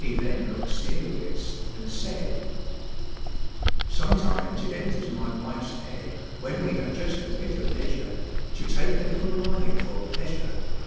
then looked serious and said :— 1897. Copyrighted, Xf^OMETIMES it enters my wife's head, When we have just a bit of leisure, To take a little ride for pleasure.